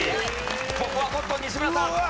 ここはコットン西村さん。